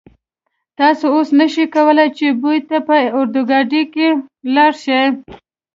تاسو اوس نشئ کولای چې بو ته په اورګاډي کې لاړ شئ.